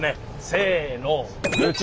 せの。